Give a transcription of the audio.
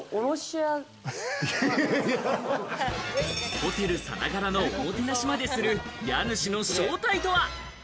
ホテルさながらのおもてなしまでする家主の正体とは。